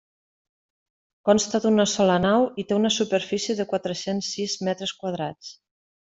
Consta d'una sola nau i té una superfície de quatre-cents sis metres quadrats.